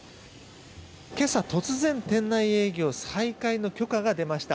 今朝、突然店内営業再開の許可が出ました。